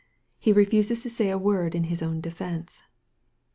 He refuses to say a word in his own defence."